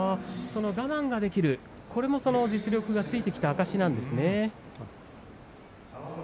我慢ができるということも力がついてきた証拠なんですね。